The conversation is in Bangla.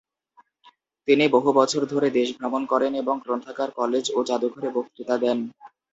তিনি বহু বছর ধরে দেশ ভ্রমণ করেন এবং গ্রন্থাগার, কলেজ ও জাদুঘরে বক্তৃতা দেন।